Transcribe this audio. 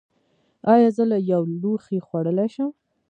ایا زه له یو لوښي خوړلی شم؟